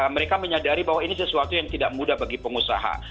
mereka menyadari bahwa ini sesuatu yang tidak mudah bagi pengusaha